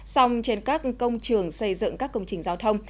song trên các công trường xây dựng các công trình giao thông